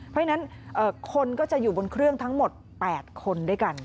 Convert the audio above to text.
เพราะฉะนั้นคนก็จะอยู่บนเครื่องทั้งหมด๘คนด้วยกัน